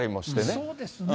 そうですね。